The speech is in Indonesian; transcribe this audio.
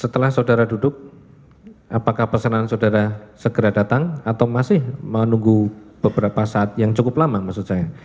setelah saudara duduk apakah pesanan saudara segera datang atau masih menunggu beberapa saat yang cukup lama maksud saya